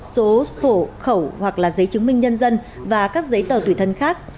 số phổ khẩu hoặc là giấy chứng minh nhân dân và các giấy tờ tùy thân khác